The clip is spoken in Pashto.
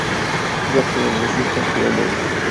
زه پلورنځۍ ته تللې وم